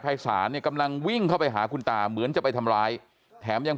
ภายศาลเนี่ยกำลังวิ่งเข้าไปหาคุณตาเหมือนจะไปทำร้ายแถมยัง